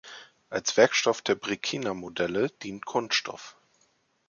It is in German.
Als Werkstoff der Brekina-Modelle dient Kunststoff.